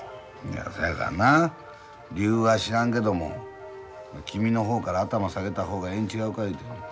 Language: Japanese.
いやそやからな理由は知らんけども君の方から頭下げた方がええん違うか言うてるのや。